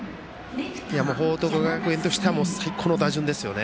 報徳学園としては最高の打順ですよね。